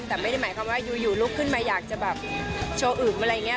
แต่ไม่ได้หมายความว่าอยู่ลุกขึ้นมาอยากจะแบบโชว์อึมอะไรอย่างนี้